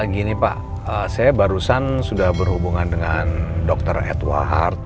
gini pak saya barusan sudah berhubungan dengan dr edwarhard